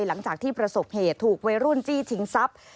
หลังจากที่ประสบเหตุถูกวัยรุ่นจี้ชิงทรัพย์